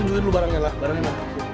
diamankan pada yang ditemukan ada